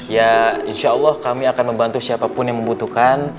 ya insya allah kami akan membantu siapapun yang membutuhkan